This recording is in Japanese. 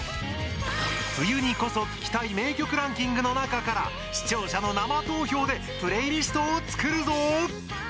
冬にこそ聴きたい名曲ランキングの中から視聴者の生投票でプレイリストを作るぞ！